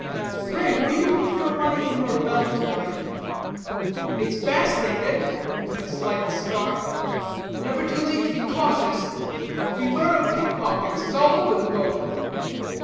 "Pray, will you put your money in your belt to night?" "It's best, ain't it?" with a slight start. "Never too late to be cautious. 'Beware of pick pockets' is all over the boat."